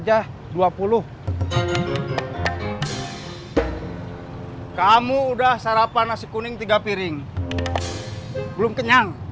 akang udah ke perumahan yang ninding bilang